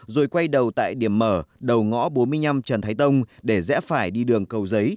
rồi quay đầu tại điểm mở đầu ngõ bốn mươi năm trần thái tông để rẽ phải đi đường cầu giấy